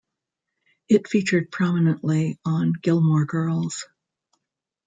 It featured prominently on Gilmore Girls.